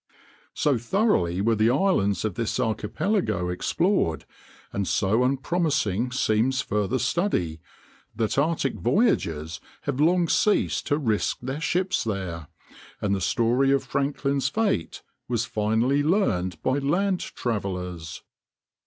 So thoroughly were the islands of this archipelago explored, and so unpromising seems further study, that Arctic voyagers have long ceased to risk their ships there, and the story of Franklin's fate was finally learned by land travelers.